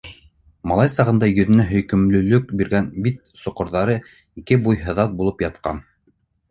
Малай сағында йөҙөнә һөйкөмлөлөк биргән бит соҡорҙары ике буй һыҙат булып ятҡан.